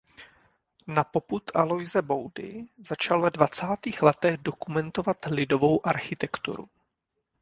Na popud Aloise Boudy začal ve dvacátých letech dokumentovat lidovou architekturu.